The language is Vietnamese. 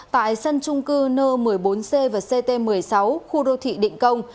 tại sân trung cư n một mươi bốn c và ct một mươi sáu khu đô thị định công